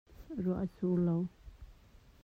Ruah a sur lo.